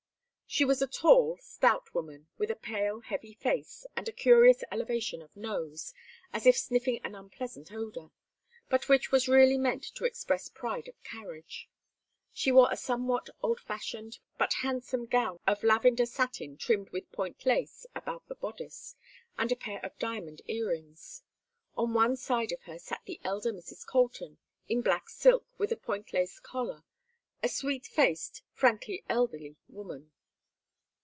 She was a tall stout woman, with a pale heavy face, and a curious elevation of nose, as if sniffing an unpleasant odor; but which was really meant to express pride of carriage. She wore a somewhat old fashioned but handsome gown of lavender satin trimmed with point lace about the bodice, and a pair of diamond ear rings. On one side of her sat the elder Mrs. Colton, in black silk with a point lace collar; a sweet faced frankly elderly woman.